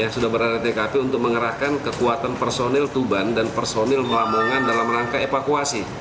sudah berada di tkp untuk mengerahkan kekuatan personil tuban dan personil lamongan dalam rangka evakuasi